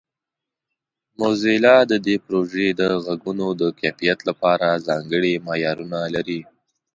موزیلا د دې پروژې د غږونو د کیفیت لپاره ځانګړي معیارونه لري.